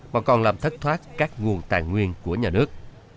mà còn làm thất thoát các nguồn tài nguyên của nhà nước